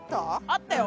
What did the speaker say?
あったよ！